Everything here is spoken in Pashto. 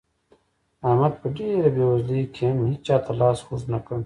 احمد په ډېره بېوزلۍ کې هم هيچا ته لاس اوږد نه کړ.